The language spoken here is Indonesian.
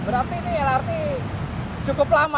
berarti ini ya berarti cukup lama